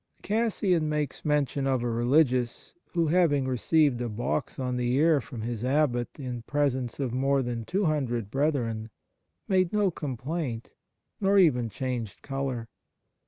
Cassian makes mention of a religious who, 28 Seventh Characteristic having received a box on the ear from his abbot in presence of more than two hundred brethren, made no complaint, nor even changed colour.